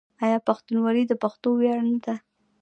آیا پښتونولي د پښتنو ویاړ نه ده؟